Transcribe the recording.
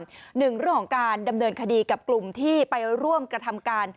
หนึ่งเรื่องของการดำเนินคดีกับกลุ่มที่ไปร่วมกระทำการ